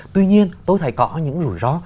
tuy nhiên tôi thấy có những rủi ro